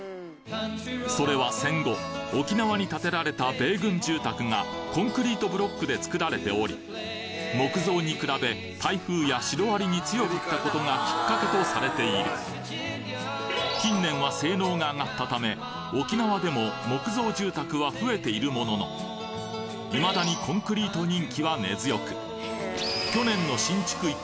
それは戦後沖縄に建てられた米軍住宅がコンクリートブロックで造られており木造に比べ台風やシロアリに強かったことがきっかけとされている性能が上がったためものの未だにコンクリート人気は根強く僕は。